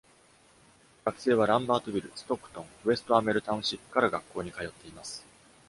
学生はランバートビル、ストックトン、ウェスト・アムウェル・タウンシップから学校に通っています。